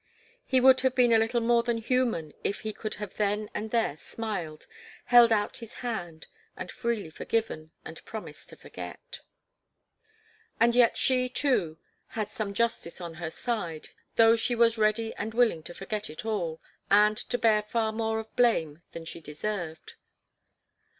He would have been a little more than human if he could have then and there smiled, held out his hand, and freely forgiven and promised to forget. And yet she, too, had some justice on her side, though she was ready and willing to forget it all, and to bear far more of blame than she deserved.